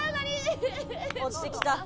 落ちてきた。